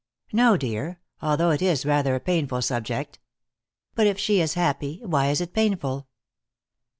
"No, dear. Although it is rather a painful subject." "But if she is happy, why is it painful?"